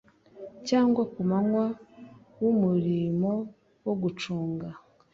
cyangwa ku mwanya w umurimo wo gucunga